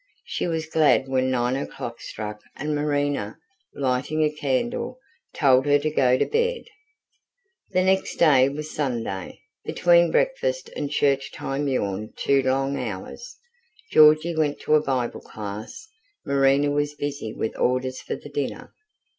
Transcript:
She was glad when nine o'clock struck and Marina, lighting a candle, told her to go to bed. The next day was Sunday. Between breakfast and church time yawned two long hours. Georgy went to a Bible class; Marina was busy with orders for the dinner.